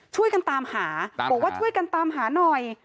ช่วยกันตามหาบอกว่าช่วยกันตามหาหน่อย